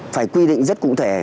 phải quy định rất cụ thể